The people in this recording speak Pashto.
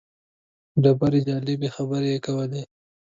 ډېرې جالبې خبرې یې کولې.